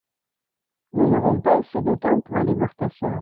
Nous n'aurons pas assez de temps pour aller voir ta sœur.